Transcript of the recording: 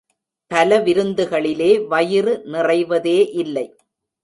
பல விருந்துகளிலே, வயிறு நிறைவதே இல்லை!